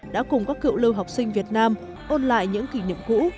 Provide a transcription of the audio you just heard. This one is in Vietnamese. đã cùng các cựu lưu học sinh việt nam ôn lại những kỷ niệm cũ